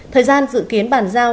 thời gian dự kiến bàn giao